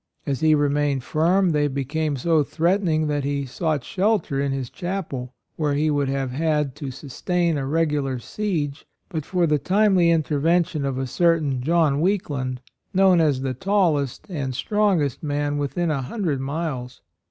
As he remained firm, they became so threatening that he sought shelter in his chapel, where he would have had to sustain a regular siege but for the timely intervention of a certain John Weakland, known as the tallest and strongest man within a hun dred miles.